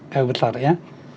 kayu besar ya